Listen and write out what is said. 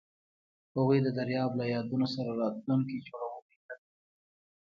هغوی د دریاب له یادونو سره راتلونکی جوړولو هیله لرله.